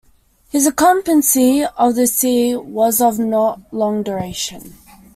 His occupancy of the see was not of long duration.